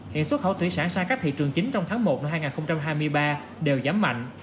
hiện xuất khẩu thủy sản sang các thị trường chính trong tháng một năm hai nghìn hai mươi ba đều giảm mạnh